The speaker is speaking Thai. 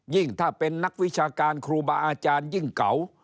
ยิ่งถ้าเป็นนักวิชาการครูบาอาจารย์ยิ่งเก่า